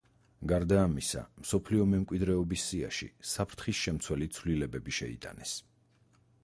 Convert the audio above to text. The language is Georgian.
გარდა ამისა, მსოფლიო მემკვიდრეობის სიაში საფრთხის შემცველი ცვლილებები შეიტანეს.